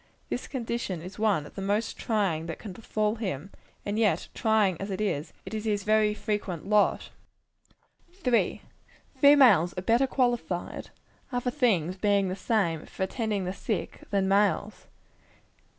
This condition is one of the most trying that can befall him; and yet, trying as it is, it is his very frequent lot. 3. Females are better qualified other things being the same for attending the sick, than males.